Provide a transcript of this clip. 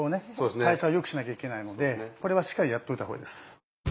代謝をよくしなきゃいけないのでこれはしっかりやっといた方がいいです。